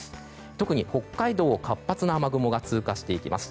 特に北海道を活発な雨雲が通過していきます。